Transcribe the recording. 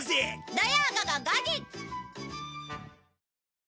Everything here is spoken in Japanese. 土曜午後５時！